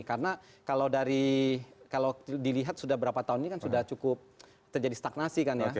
karena kalau dilihat sudah berapa tahun ini kan sudah cukup terjadi stagnasi kan ya